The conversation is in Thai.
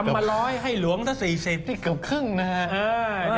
มาร้อยให้หลวงสัก๔๐นี่เกือบครึ่งนะฮะ